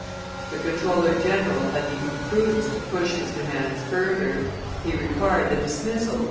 The comptroller general had the imprudence to push his demands further; he required the dismissal of M.